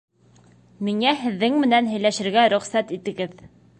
Миңә һеҙҙең менән һөйләшергә рөхсәт итегеҙ?